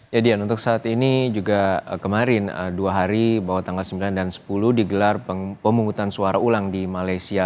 ya dian untuk saat ini juga kemarin dua hari bahwa tanggal sembilan dan sepuluh digelar pemungutan suara ulang di malaysia